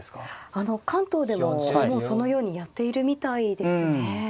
あの関東でももうそのようにやっているみたいですね。